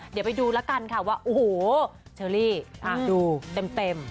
เดี๋ยวไปดูแล้วกันค่ะว่าโอ้โหเชอรี่ดูเต็ม